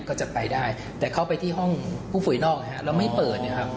ก็จะไปได้แต่เข้าไปที่ห้องผู้ป่วยนอกแล้วไม่เปิดนะครับ